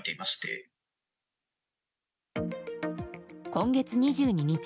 今月２２日